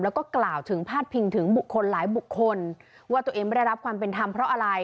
แล้วก็กล่าวถึงพาดพิงถึงบุคคลหลายบุคคลว่าตัวเองไม่ได้รับความเป็นธรรมเพราะอะไร